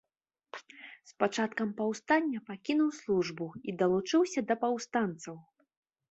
З пачаткам паўстання пакінуў службу і далучыўся да паўстанцаў.